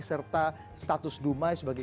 serta status dumai sebagai